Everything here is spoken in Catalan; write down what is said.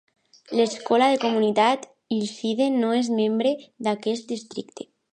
L'escola de la comunitat Hillside no és membre d'aquest districte.